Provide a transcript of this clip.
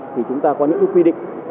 thì chúng ta có những quy định